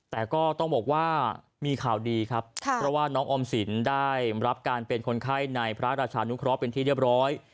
แต่ก็ต้องบอกว่ามีข่าวดีครับเพราะว่าน้องออมสินได้รับการเป็นคนไข้ในพระราชานุเคราะห์เป็นที่เรียบร้อย